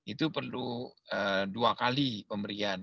itu perlu dua kali pemberian